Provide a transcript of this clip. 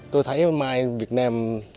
tôi thấy mai việt nam